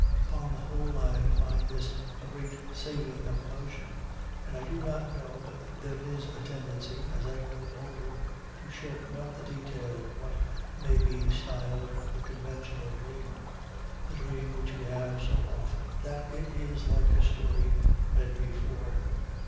Upon the whole, I find this a great saving of emotion, and I do not know but there is a tendency, as I grow older, to shorten up the detail of what may be styled the conventional dream, the dream which we have so often that it is like a story read before.